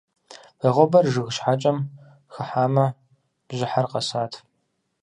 Вагъуэбэр жыг щхьэкӀэм хыхьамэ бжьыхьэр къэсат.